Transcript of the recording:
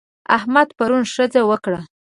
احمد پرون ښځه وکړه.